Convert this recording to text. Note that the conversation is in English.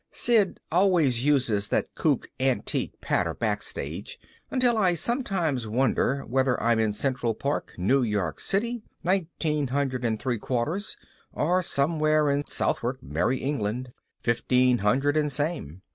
Sid always uses that kook antique patter backstage, until I sometimes wonder whether I'm in Central Park, New York City, nineteen hundred and three quarters, or somewhere in Southwark, Merry England, fifteen hundred and same.